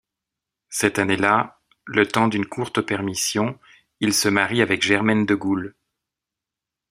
Cette année-là, le temps d’une courte permission, il se marie avec Germaine Degoul.